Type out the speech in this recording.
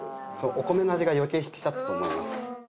お米の味が余計引き立つと思います。